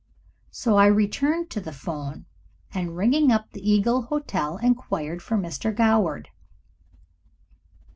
So I returned to the 'phone, and ringing up the Eagle Hotel, inquired for Mr. Goward.